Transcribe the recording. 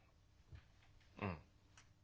うん。